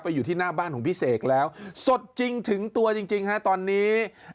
อยู่ที่หน้าบ้านของพี่เสกแล้วสดจริงถึงตัวจริงจริงฮะตอนนี้